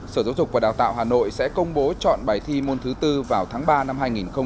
sở giáo dục và đào tạo hà nội sẽ công bố chọn bài thi môn thứ bốn vào tháng ba năm hai nghìn hai mươi